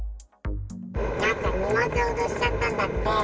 なんか荷物を落としちゃったんだって。